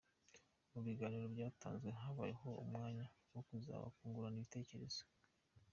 Mu biganiro byatanzwe, habayeho n’umwanya wo kubaza no kungurana ibitekerezo.